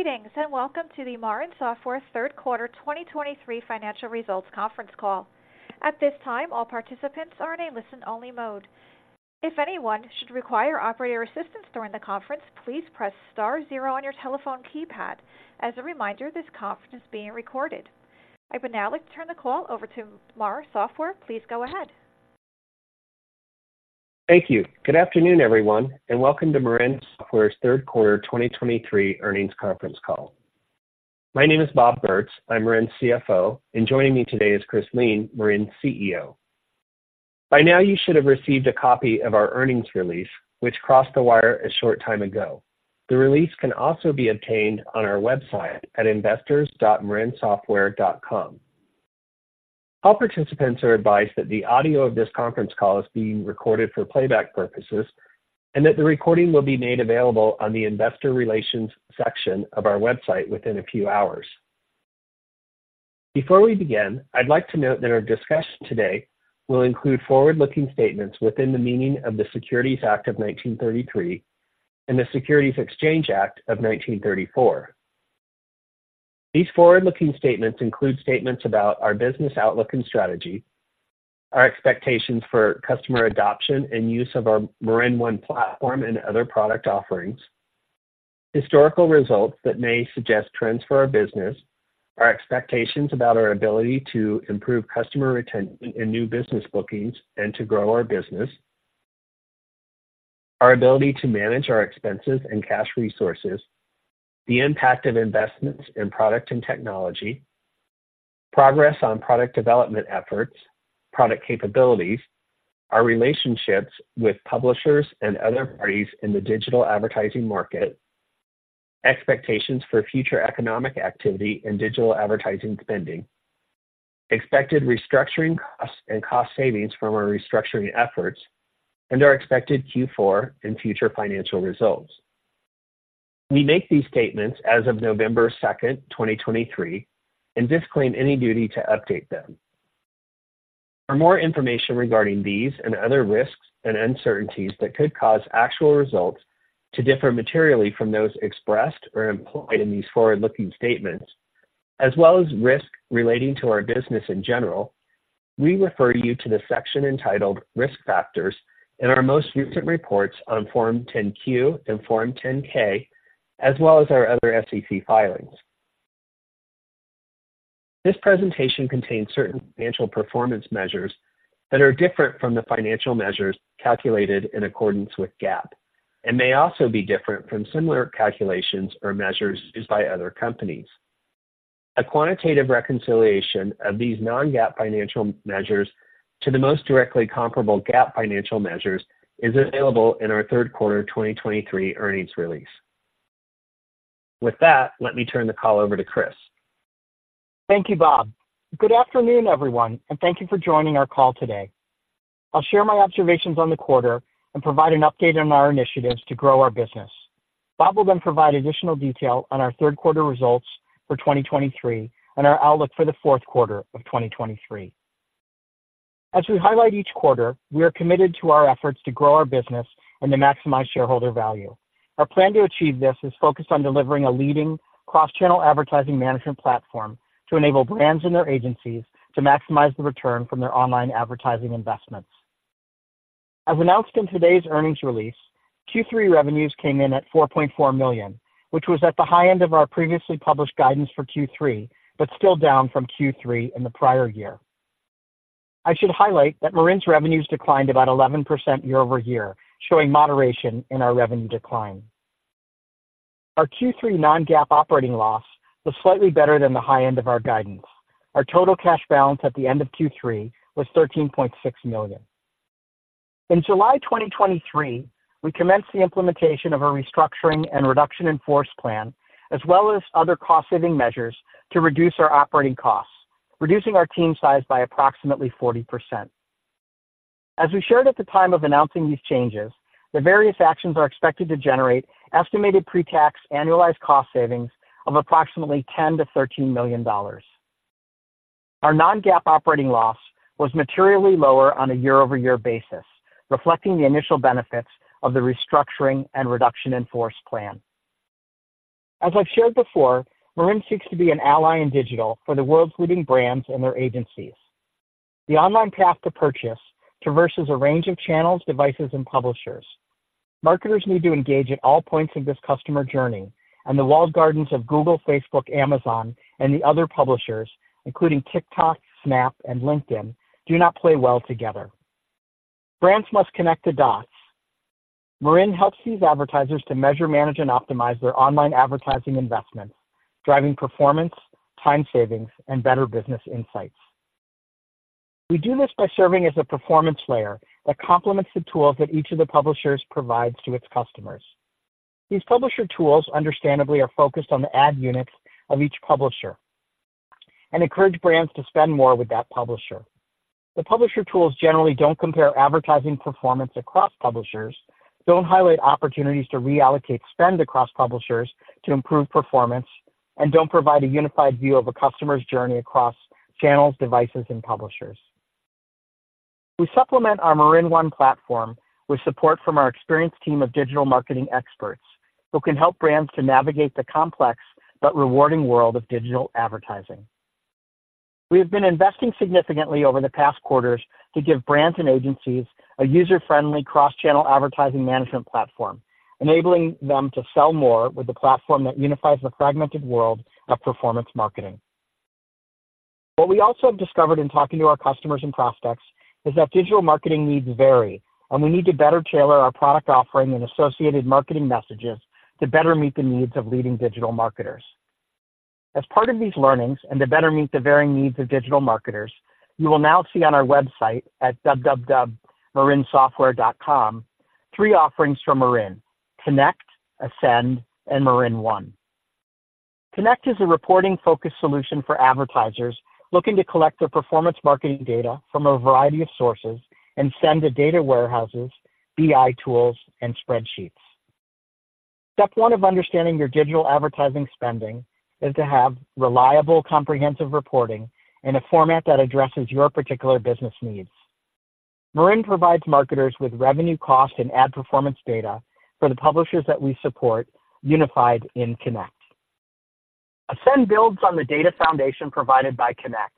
Greetings, and welcome to the Marin Software third quarter 2023 financial results conference call. At this time, all participants are in a listen-only mode. If anyone should require operator assistance during the conference, please press star zero on your telephone keypad. As a reminder, this conference is being recorded. I would now like to turn the call over to Marin Software. Please go ahead. Thank you. Good afternoon, everyone, and welcome to Marin Software's third quarter 2023 earnings conference call. My name is Bob Bertz, I'm Marin's CFO, and joining me today is Chris Lien, Marin's CEO. By now, you should have received a copy of our earnings release, which crossed the wire a short time ago. The release can also be obtained on our website at investors.marinsoftware.com. All participants are advised that the audio of this conference call is being recorded for playback purposes, and that the recording will be made available on the investor relations section of our website within a few hours. Before we begin, I'd like to note that our discussion today will include forward-looking statements within the meaning of the Securities Act of 1933 and the Securities Exchange Act of 1934. These forward-looking statements include statements about our business outlook and strategy, our expectations for customer adoption and use of our MarinOne platform and other product offerings, historical results that may suggest trends for our business, our expectations about our ability to improve customer retention and new business bookings, and to grow our business, our ability to manage our expenses and cash resources, the impact of investments in product and technology, progress on product development efforts, product capabilities, our relationships with publishers and other parties in the digital advertising market, expectations for future economic activity and digital advertising spending, expected restructuring costs and cost savings from our restructuring efforts, and our expected Q4 and future financial results. We make these statements as of November 2nd, 2023, and disclaim any duty to update them. For more information regarding these and other risks and uncertainties that could cause actual results to differ materially from those expressed or implied in these forward-looking statements, as well as risks relating to our business in general, we refer you to the section entitled Risk Factors in our most recent reports on Form 10-Q and Form 10-K, as well as our other SEC filings. This presentation contains certain financial performance measures that are different from the financial measures calculated in accordance with GAAP, and may also be different from similar calculations or measures used by other companies. A quantitative reconciliation of these non-GAAP financial measures to the most directly comparable GAAP financial measures is available in our third quarter 2023 earnings release. With that, let me turn the call over to Chris. Thank you, Bob. Good afternoon, everyone, and thank you for joining our call today. I'll share my observations on the quarter and provide an update on our initiatives to grow our business. Bob will then provide additional detail on our third quarter results for 2023 and our outlook for the fourth quarter of 2023. As we highlight each quarter, we are committed to our efforts to grow our business and to maximize shareholder value. Our plan to achieve this is focused on delivering a leading cross-channel advertising management platform to enable brands and their agencies to maximize the return from their online advertising investments. As announced in today's earnings release, Q3 revenues came in at $4.4 million, which was at the high end of our previously published guidance for Q3, but still down from Q3 in the prior year. I should highlight that Marin's revenues declined about 11% year-over-year, showing moderation in our revenue decline. Our Q3 non-GAAP operating loss was slightly better than the high end of our guidance. Our total cash balance at the end of Q3 was $13.6 million. In July 2023, we commenced the implementation of our restructuring and reduction in force plan, as well as other cost-saving measures to reduce our operating costs, reducing our team size by approximately 40%. As we shared at the time of announcing these changes, the various actions are expected to generate estimated pre-tax annualized cost savings of approximately $10 million-$13 million. Our non-GAAP operating loss was materially lower on a year-over-year basis, reflecting the initial benefits of the restructuring and reduction in force plan. As I've shared before, Marin seeks to be an ally in digital for the world's leading brands and their agencies. The online path to purchase traverses a range of channels, devices, and publishers. Marketers need to engage at all points of this customer journey, and the walled gardens of Google, Facebook, Amazon, and the other publishers, including TikTok, Snap, and LinkedIn, do not play well together. Brands must connect the dots. Marin helps these advertisers to measure, manage, and optimize their online advertising investments, driving performance, time savings, and better business insights. We do this by serving as a performance layer that complements the tools that each of the publishers provides to its customers. These publisher tools understandably are focused on the ad units of each publisher and encourage brands to spend more with that publisher. The publisher tools generally don't compare advertising performance across publishers, don't highlight opportunities to reallocate spend across publishers to improve performance, and don't provide a unified view of a customer's journey across channels, devices, and publishers. We supplement our MarinOne platform with support from our experienced team of digital marketing experts, who can help brands to navigate the complex but rewarding world of digital advertising. We have been investing significantly over the past quarters to give brands and agencies a user-friendly, cross-channel advertising management platform, enabling them to sell more with a platform that unifies the fragmented world of performance marketing. What we also have discovered in talking to our customers and prospects is that digital marketing needs vary, and we need to better tailor our product offering and associated marketing messages to better meet the needs of leading digital marketers. As part of these learnings, and to better meet the varying needs of digital marketers, you will now see on our website at www.marinsoftware.com, three offerings from Marin: Connect, Ascend, and MarinOne. Connect is a reporting-focused solution for advertisers looking to collect their performance marketing data from a variety of sources and send to data warehouses, BI tools, and spreadsheets. Step one of understanding your digital advertising spending is to have reliable, comprehensive reporting in a format that addresses your particular business needs. Marin provides marketers with revenue, cost, and ad performance data for the publishers that we support, unified in Connect. Ascend builds on the data foundation provided by Connect.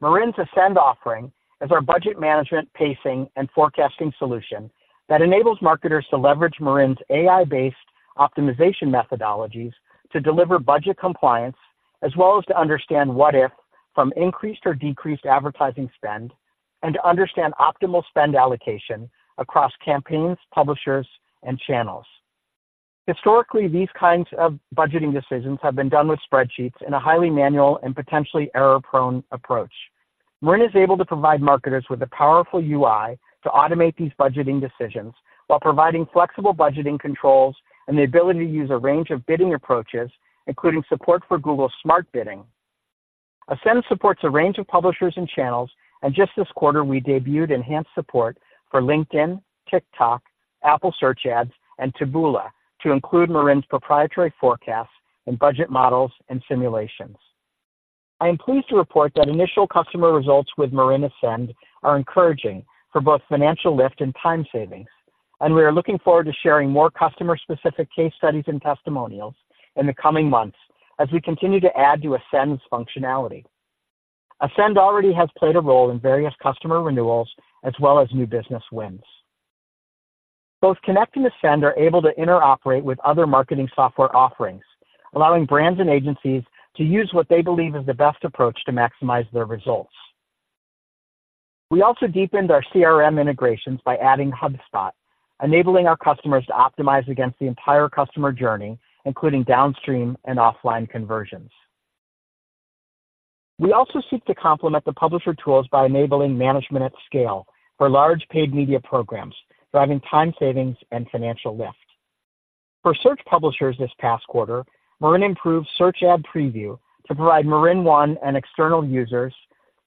Marin's Ascend offering is our budget management, pacing, and forecasting solution that enables marketers to leverage Marin's AI-based optimization methodologies to deliver budget compliance, as well as to understand what if from increased or decreased advertising spend, and to understand optimal spend allocation across campaigns, publishers, and channels. Historically, these kinds of budgeting decisions have been done with spreadsheets in a highly manual and potentially error-prone approach. Marin is able to provide marketers with a powerful UI to automate these budgeting decisions while providing flexible budgeting controls and the ability to use a range of bidding approaches, including support for Google's Smart Bidding. Ascend supports a range of publishers and channels, and just this quarter, we debuted enhanced support for LinkedIn, TikTok, Apple Search Ads, and Taboola to include Marin's proprietary forecasts and budget models and simulations. I am pleased to report that initial customer results with Marin Ascend are encouraging for both financial lift and time savings, and we are looking forward to sharing more customer-specific case studies and testimonials in the coming months as we continue to add to Ascend's functionality. Ascend already has played a role in various customer renewals as well as new business wins. Both Connect and Ascend are able to interoperate with other marketing software offerings, allowing brands and agencies to use what they believe is the best approach to maximize their results. We also deepened our CRM integrations by adding HubSpot, enabling our customers to optimize against the entire customer journey, including downstream and offline conversions. We also seek to complement the publisher tools by enabling management at scale for large paid media programs, driving time savings and financial lift. For search publishers this past quarter, Marin improved search ad preview to provide MarinOne and external users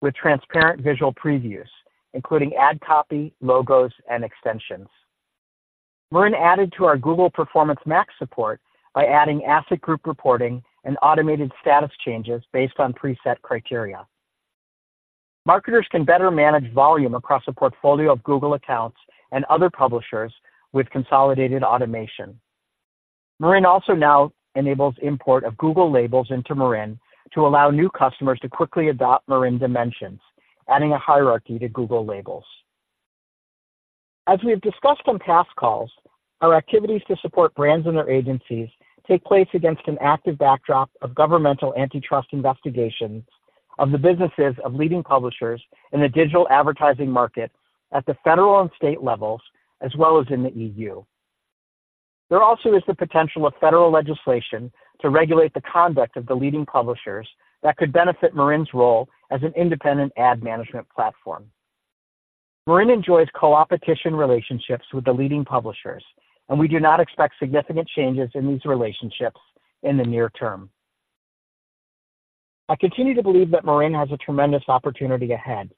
with transparent visual previews, including ad copy, logos, and extensions. Marin added to our Google Performance Max support by adding asset group reporting and automated status changes based on preset criteria. Marketers can better manage volume across a portfolio of Google accounts and other publishers with consolidated automation. Marin also now enables import of Google labels into Marin to allow new customers to quickly adopt Marin dimensions, adding a hierarchy to Google labels. As we have discussed on past calls, our activities to support brands and their agencies take place against an active backdrop of governmental antitrust investigations of the businesses of leading publishers in the digital advertising market at the federal and state levels, as well as in the EU. There also is the potential of federal legislation to regulate the conduct of the leading publishers that could benefit Marin's role as an independent ad management platform. Marin enjoys coopetition relationships with the leading publishers, and we do not expect significant changes in these relationships in the near term. I continue to believe that Marin has a tremendous opportunity ahead.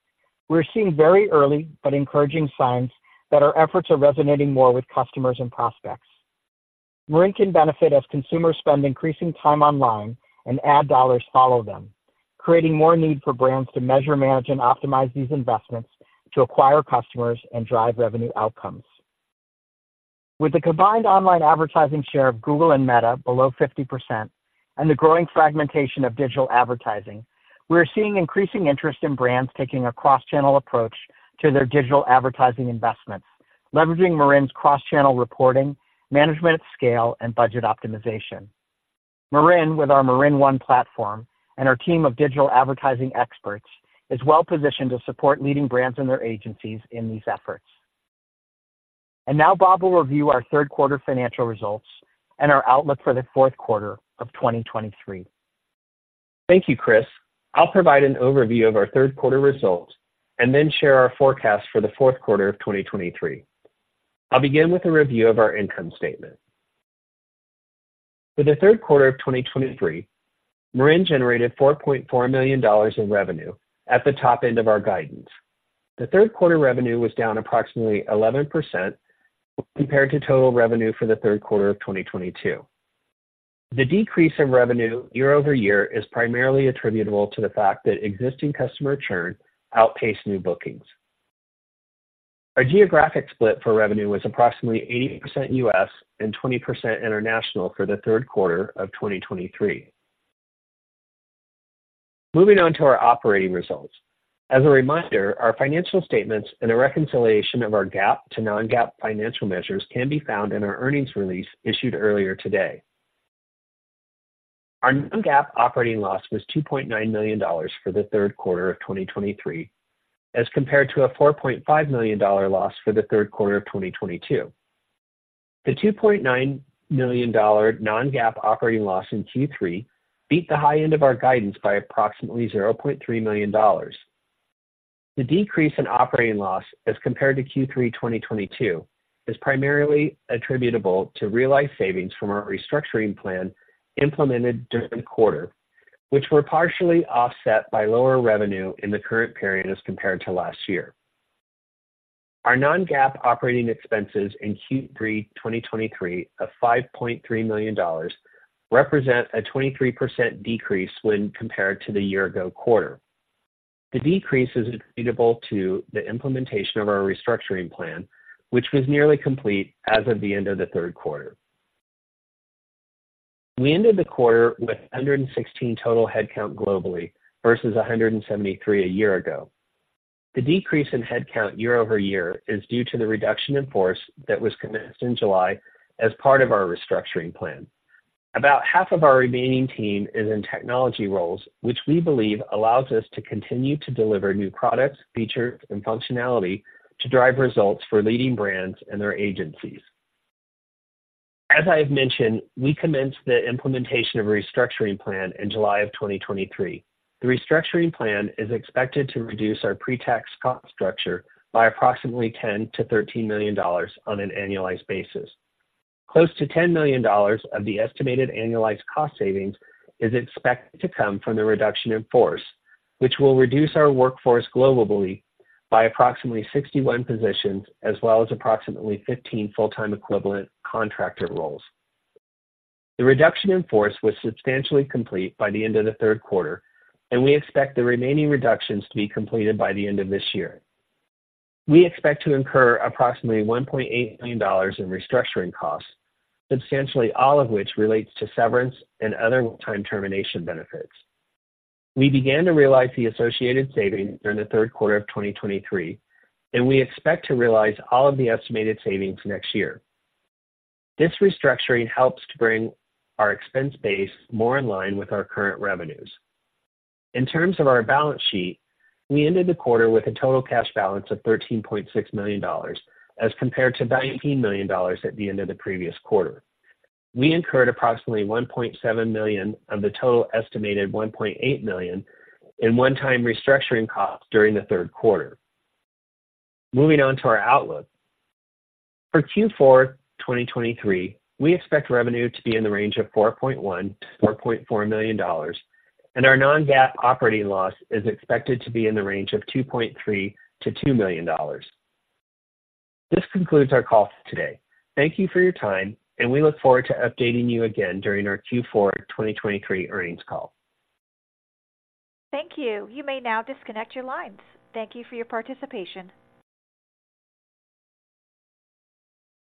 We're seeing very early but encouraging signs that our efforts are resonating more with customers and prospects. Marin can benefit as consumers spend increasing time online and ad dollars follow them, creating more need for brands to measure, manage, and optimize these investments to acquire customers and drive revenue outcomes. With the combined online advertising share of Google and Meta below 50% and the growing fragmentation of digital advertising, we are seeing increasing interest in brands taking a cross-channel approach to their digital advertising investments, leveraging Marin's cross-channel reporting, management at scale, and budget optimization. Marin, with our MarinOne platform and our team of digital advertising experts, is well positioned to support leading brands and their agencies in these efforts. And now Bob will review our third quarter financial results and our outlook for the fourth quarter of 2023. Thank you, Chris. I'll provide an overview of our third quarter results and then share our forecast for the fourth quarter of 2023. I'll begin with a review of our income statement. For the third quarter of 2023, Marin generated $4.4 million in revenue at the top end of our guidance. The third quarter revenue was down approximately 11% compared to total revenue for the third quarter of 2022.... The decrease in revenue year-over-year is primarily attributable to the fact that existing customer churn outpaced new bookings. Our geographic split for revenue was approximately 80% U.S. and 20% international for the third quarter of 2023. Moving on to our operating results. As a reminder, our financial statements and a reconciliation of our GAAP to non-GAAP financial measures can be found in our earnings release issued earlier today. Our non-GAAP operating loss was $2.9 million for the third quarter of 2023, as compared to a $4.5 million loss for the third quarter of 2022. The $2.9 million non-GAAP operating loss in Q3 beat the high end of our guidance by approximately $0.3 million. The decrease in operating loss as compared to Q3 2022 is primarily attributable to realized savings from our restructuring plan implemented during the quarter, which were partially offset by lower revenue in the current period as compared to last year. Our non-GAAP operating expenses in Q3 2023 of $5.3 million represent a 23% decrease when compared to the year ago quarter. The decrease is attributable to the implementation of our restructuring plan, which was nearly complete as of the end of the third quarter. We ended the quarter with 116 total headcount globally versus 173 a year ago. The decrease in headcount year-over-year is due to the reduction in force that was commenced in July as part of our restructuring plan. About half of our remaining team is in technology roles, which we believe allows us to continue to deliver new products, features, and functionality to drive results for leading brands and their agencies. As I have mentioned, we commenced the implementation of a restructuring plan in July 2023. The restructuring plan is expected to reduce our pre-tax cost structure by approximately $10 million-$13 million on an annualized basis. Close to $10 million of the estimated annualized cost savings is expected to come from the reduction in force, which will reduce our workforce globally by approximately 61 positions, as well as approximately 15 full-time equivalent contractor roles. The reduction in force was substantially complete by the end of the third quarter, and we expect the remaining reductions to be completed by the end of this year. We expect to incur approximately $1.8 million in restructuring costs, substantially all of which relates to severance and other one-time termination benefits. We began to realize the associated savings during the third quarter of 2023, and we expect to realize all of the estimated savings next year. This restructuring helps to bring our expense base more in line with our current revenues. In terms of our balance sheet, we ended the quarter with a total cash balance of $13.6 million, as compared to $19 million at the end of the previous quarter. We incurred approximately $1.7 million of the total estimated $1.8 million in one-time restructuring costs during the third quarter. Moving on to our outlook. For Q4 2023, we expect revenue to be in the range of $4.1 million-$4.4 million, and our non-GAAP operating loss is expected to be in the range of $2.3 million-$2 million. This concludes our call today. Thank you for your time, and we look forward to updating you again during our Q4 2023 earnings call. Thank you. You may now disconnect your lines. Thank you for your participation.